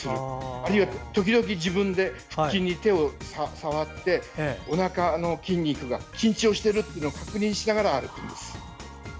あるいは時々自分で腹筋を触っておなかの筋肉が緊張してるのを確認しながら歩くんです。